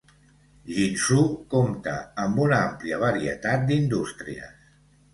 Jinzhou compta amb una àmplia varietat d'indústries.